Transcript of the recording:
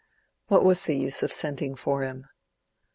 What was the use of sending for him?